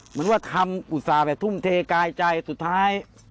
เหมือนว่าทำอุตส่าห์แบบทุ่มเทกายใจสุดท้าย